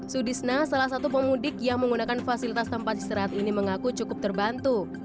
sudisna salah satu pemudik yang menggunakan fasilitas tempat istirahat ini mengaku cukup terbantu